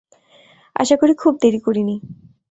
আশা করি খুব দেরি করিনি।